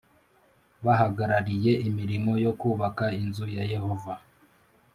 bahagararire imirimo yo kubaka inzu ya Yehova